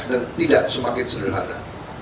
dan tidak semakin sederhana